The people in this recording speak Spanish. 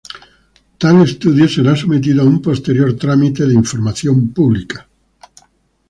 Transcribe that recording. Tal estudio será sometido a un posterior trámite de información pública.